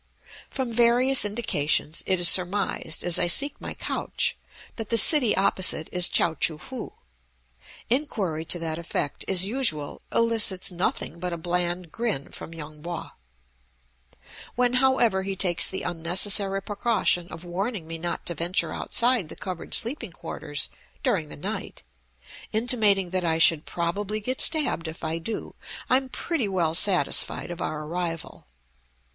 From various indications, it is surmised, as I seek my couch, that the city opposite is Chao choo foo. Inquiry to that effect, as usual, elicits nothing but a bland grin from Yung Po. When, however, he takes the unnecessary precaution of warning me not to venture outside the covered sleeping quarters during the night, intimating that I should probably get stabbed if I do, I am pretty well satisfied of our arrival.